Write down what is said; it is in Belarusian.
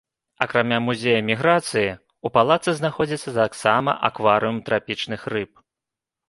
Акрамя музея іміграцыі, у палацы знаходзіцца таксама акварыум трапічных рыб.